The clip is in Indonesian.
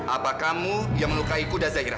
apa kamu yang melukai kuda zahira